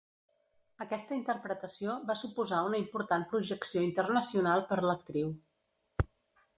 Aquesta interpretació va suposar una important projecció internacional per l'actriu.